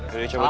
jadi cabut ya